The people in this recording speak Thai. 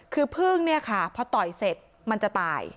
คือพึ่งเนี่ยค่ะพอต่อยเสร็จมันจะตาย